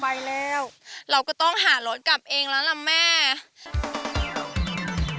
ไปแล้วเราก็ต้องหารถกลับเองแล้วล่ะแม่